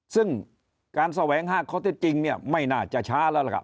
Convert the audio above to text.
ซึ่งการแสวงหาข้อเท็จจริงไม่น่าจะช้าแล้ว